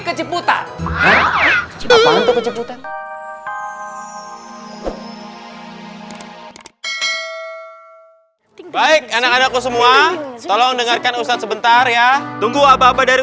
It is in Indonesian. kejeputan untuk kejeputan baik anak anakku semua tolong dengarkan ustadz sebentar ya tunggu abah abah dari